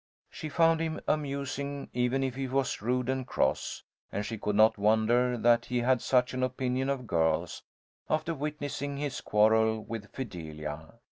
She found him amusing, even if he was rude and cross, and she could not wonder that he had such an opinion of girls, after witnessing his quarrel with Fidelia.